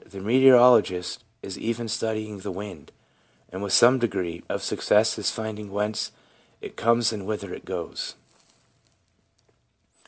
The meteorologist is even studying the wind, and with some degree of success is finding whence it comes and whither it goes.